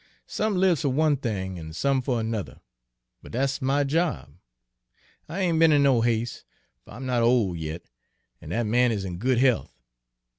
Some lives fer one thing an' some fer another, but dat's my job. I ain' be'n in no has'e, fer I'm not ole yit, an' dat man is in good health.